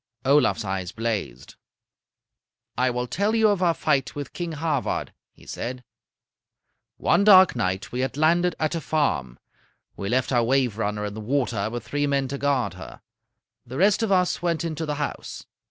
Olaf's eyes blazed. "I will tell you of our fight with King Havard," he said. "One dark night we had landed at a farm. We left our 'Waverunner' in the water with three men to guard her. The rest of us went into the house.